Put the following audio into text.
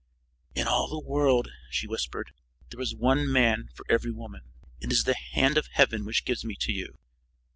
"In all the world," she whispered, "there is one man for every woman. It is the hand of Heaven which gives me to you."